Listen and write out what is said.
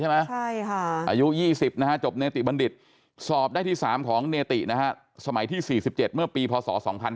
อายุ๒๐นะฮะจบเนติบัณฑิตสอบได้ที่๓ของเนตินะฮะสมัยที่๔๗เมื่อปีพศ๒๕๕๙